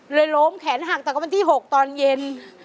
เลยโรมแขนห่างตะกตำรวจที่หกตอนเย็น